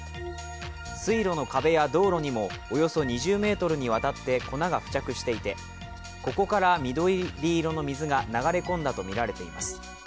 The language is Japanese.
水路の壁や道路にもおよそ２０ｍにわたって粉が付着していてここから緑色の水が流れ込んだとみられています。